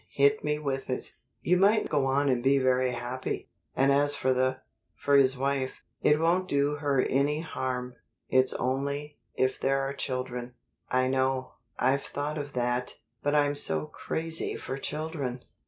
Hit me with it." "You might go on and be very happy. And as for the for his wife, it won't do her any harm. It's only if there are children." "I know. I've thought of that. But I'm so crazy for children!"